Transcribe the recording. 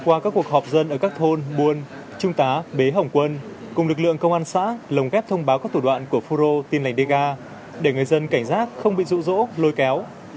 qua các cuộc họp dân ở các thôn buôn trung tá bế hỏng quân cùng lực lượng công an xã lồng ghép thông báo các thủ đoạn của phù rô tiên lành đế ga để người dân cảnh giác không bị rũ rỗ lôi kéo